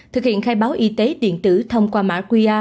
thực hiện khai báo y tế điện tử thông qua mã qr